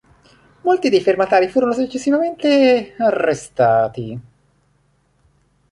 Molti dei firmatari furono successivamente arrestati.